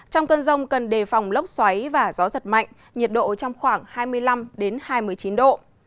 trong cơn rông cần đề phòng lốc xoáy và gió giật mạnh nhiệt độ trong khoảng hai mươi năm hai mươi chín độ